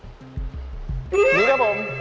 นี่ครับผม